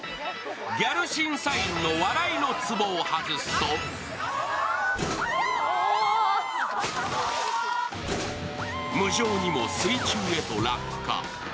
ギャル審査員の笑いのツボを外すと無情にも水中へと落下。